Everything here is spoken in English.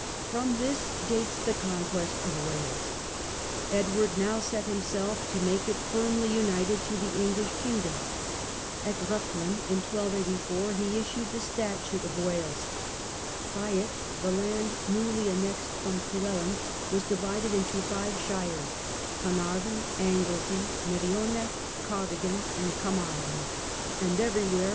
From this dates the conquest of Wales. Edward now set himself to make it firmly united to the English kingdom. At Rhuddlan, in 1284, he issued the Statute of Wales. By it the land newly annexed from Llewellyn was divided into five shires — Carnarvon, Anglesey, Merioneth, Cardigan, and Carmarthen, and everywhere REFORMS IN LAW.